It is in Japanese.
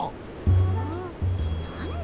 んなんだ